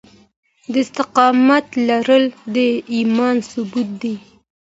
د استقامت لرل د ايمان ثبوت دی.